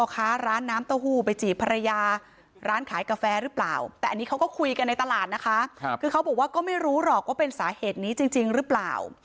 คือเขาบอกว่าก็ไม่รู้หรอกว่าเป็นสาเหตุนี้จริงหรือเปล่า